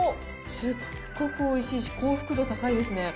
すっごくおいしいし、口福度高いですね。